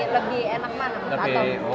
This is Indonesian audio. lebih enak mana